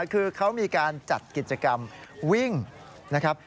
คือเขามีการจัดกิจกรรมวิ่งนะครับ